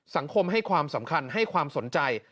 สังคมให้ความสำคัญให้ความสนใจ